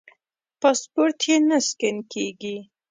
پاسپورټ یې نه سکېن کېږي.